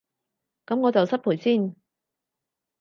噉我就失陪先